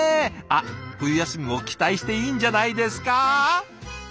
あっ冬休みも期待していいんじゃないですか？